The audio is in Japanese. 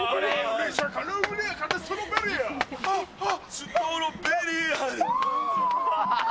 ストロベリヤー。